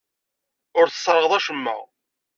Ur tesserɣeḍ acemma.